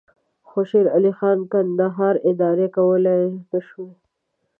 خو شېرعلي کندهار اداره کولای نه شوای.